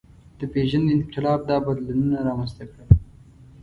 د پېژند انقلاب دا بدلونونه رامنځ ته کړل.